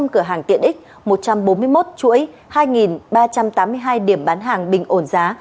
một tám trăm linh cửa hàng tiện ích một trăm bốn mươi một chuỗi hai ba trăm tám mươi hai điểm bán hàng bình ổn giá